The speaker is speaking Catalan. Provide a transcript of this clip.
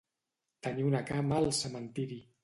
Tenir una cama al cementiri.